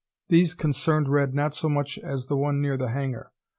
These concerned Red not so much as the one near the hangar.